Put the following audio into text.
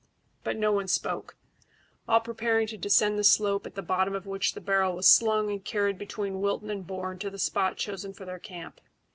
But no one spoke, all preparing to descend the slope, at the bottom of which the barrel was slung and carried between Wilton and Bourne to the spot chosen for their camp.